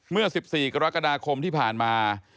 เมื่อ๑๔กรกฎาคมที่ผ่านมา